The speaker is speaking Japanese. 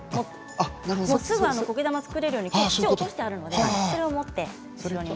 すぐにこけ玉を作れるように土を落としてあるのでそれを持って。